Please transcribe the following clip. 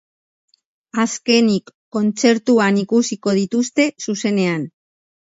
Azkenik, kontzertuan ikusiko dituzte zuzenean.